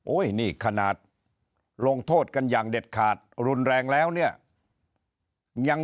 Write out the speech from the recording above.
นี่ขนาดลงโทษกันอย่างเด็ดขาดรุนแรงแล้วเนี่ยยัง